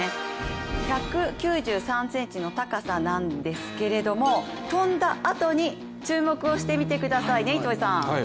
１９３ｃｍの高さなんですけれども、跳んだあとに注目をしてみてください。